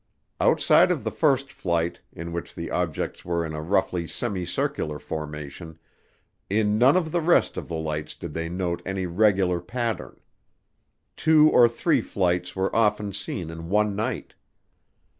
Outside of the first flight, in which the objects were in a roughly semicircular formation, in none of the rest of the flights did they note any regular pattern. Two or three flights were often seen in one night.